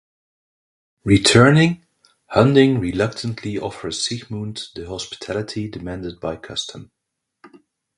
Returning, Hunding reluctantly offers Siegmund the hospitality demanded by custom.